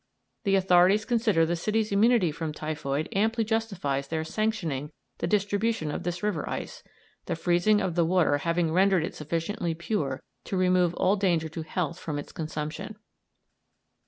The authorities consider the city's immunity from typhoid amply justifies their sanctioning the distribution of this river ice, the freezing of the water having rendered it sufficiently pure to remove all danger to health from its consumption.